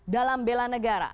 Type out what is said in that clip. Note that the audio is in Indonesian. dalam bela negara